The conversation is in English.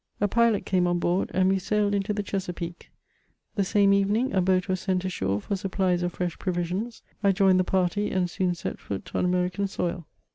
A pilot came on board, and we sailed into the Chesapeake. The same evening a boat was sent ashore for supplies of fresh provisions ; I joined the party, and soon set foot on American soil.